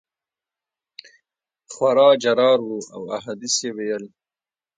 خورا جرار وو او احادیث یې ویل.